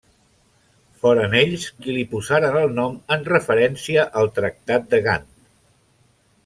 Foren ells qui li posaren el nom, en referència al Tractat de Gant.